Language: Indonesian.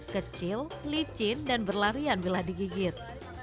kecil licin dan berlarian bila digigit